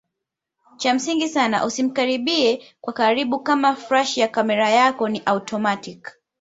Cha msingi sana usimkaribie kwa karibu kama flash ya kamera yako ni automatic